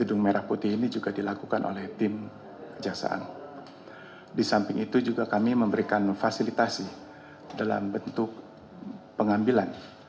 gedung merah putih ini juga dilakukan oleh tim kejaksaan di samping itu juga kami memberikan fasilitasi dalam bentuk pengambilan